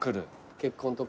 結婚とか。